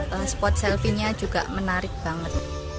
dan spot selfie nya juga menarik banget